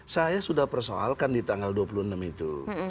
saya sudah persoalkan di tanggal dua puluh enam itu